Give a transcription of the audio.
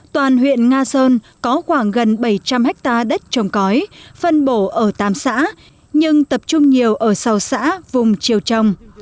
toàn huyện nga sơn có khoảng gần bảy trăm linh hectare đất trồng cõi phân bổ ở tám xã nhưng tập trung nhiều ở sau xã vùng chiều trồng